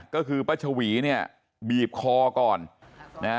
ก็คือป้าฉวีนี่บีบคอก่อน